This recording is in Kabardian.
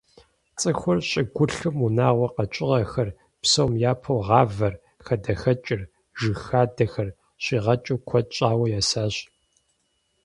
ЦӀыхур щӀыгулъым унагъуэ къэкӀыгъэхэр, псом япэу гъавэр, хадэхэкӀыр, жыг хадэхэр щигъэкӀыу куэд щӀауэ есащ.